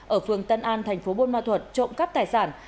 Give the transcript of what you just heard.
ở phường tân an thành phố buôn ma thuật trộm cắt tài sản